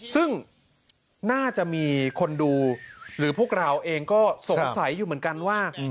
ซึ่งน่าจะมีคนดูหรือพวกเราเองก็สงสัยอยู่เหมือนกันว่า